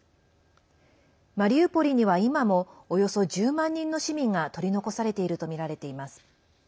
マリウポリには今もおよそ１０万人の市民が取り残されているとみられています。